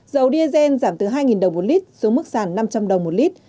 dầu diesel giảm từ hai đồng một lit xuống mức sàn năm trăm linh đồng một lit